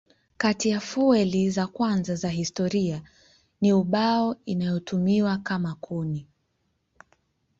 Kati ya fueli za kwanza za historia ni ubao inayotumiwa kama kuni.